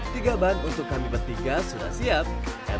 tiga ban untuk kami bertiga sudah siap